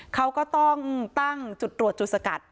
เขาก็ต้องตั้งจุดตรวจจุดสกัด